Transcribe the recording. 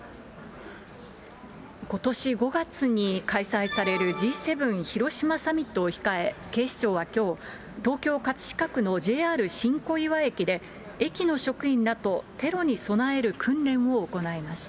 ことし５月に開催されるＧ７広島サミットを控え、警視庁はきょう、東京・葛飾区のＪＲ新小岩駅で、駅の職員らとテロに備える訓練を行いました。